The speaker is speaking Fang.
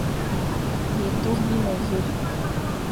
Bi duk bi ne vé ?